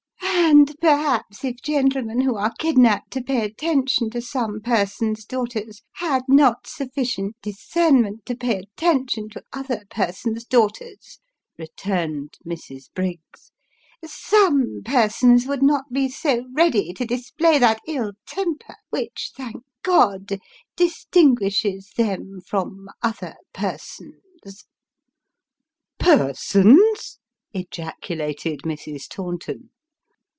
" And, perhaps, if gentlemen who are kidnapped to pay attention to some persons' daughters, had not sufficient discernment to pay attention to other persons' daughters," returned Mrs. Briggs, " some persons would not be so ready to display that ill temper which, thank God, distinguishes them from other persons." ' Persons !" ejaculated Mrs. Taunton.